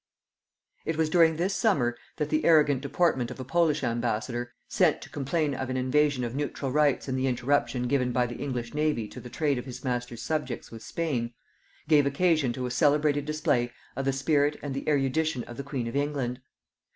It was during this summer that the arrogant deportment of a Polish ambassador, sent to complain of an invasion of neutral rights in the interruption given by the English navy to the trade of his master's subjects with Spain, gave occasion to a celebrated display of the spirit and the erudition of the queen of England.